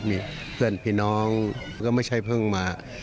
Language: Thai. มีเพื่อนพี่น้องก็ไม่ใช่เพิ่งมา